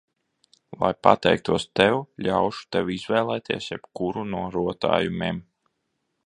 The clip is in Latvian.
Lai pateiktos tev, ļaušu tev izvēlēties jebkuru no rotājumiem.